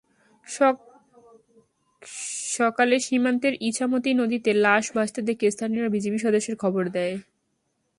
সকালে সীমান্তের ইছামতি নদীতে লাশ ভাসতে দেখে স্থানীয়রা বিজিবি সদস্যদের খবর দেয়।